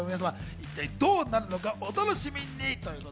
一体どうなるのかお楽しみに。